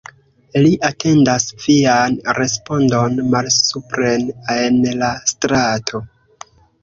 Li atendas vian respondon malsupren en la strato.